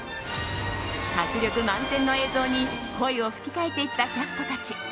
迫力満点の映像に、声を吹き替えていったキャストたち。